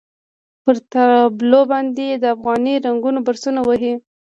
پر تابلو باندې یې د افغاني رنګونو برسونه وهي.